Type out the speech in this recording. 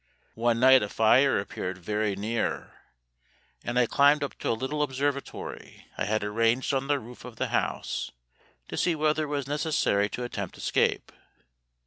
One night a fire appeared very near, and I climbed up to a little observatory I had arranged on the roof of the house, to see whether it was necessary to attempt escape.